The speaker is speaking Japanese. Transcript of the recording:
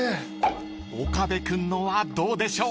［岡部君のはどうでしょう？］